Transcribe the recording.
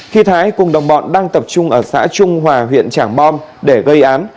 khi thái cùng đồng bọn đang tập trung ở xã trung hòa huyện trảng bom để gây án